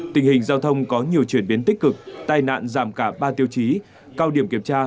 tình hình giao thông có nhiều chuyển biến tích cực tai nạn giảm cả ba tiêu chí cao điểm kiểm tra